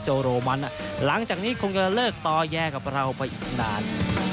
โรมันหลังจากนี้คงจะเลิกต่อแยกับเราไปอีกนาน